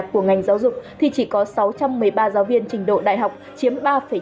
của ngành giáo dục thì chỉ có sáu trăm một mươi ba giáo viên trình độ đại học chiếm ba chín